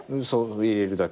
入れるだけっす。